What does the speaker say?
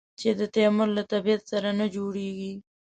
چې د تیمور له طبیعت سره نه جوړېږي.